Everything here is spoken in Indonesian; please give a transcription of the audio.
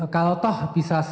kalau toh bisa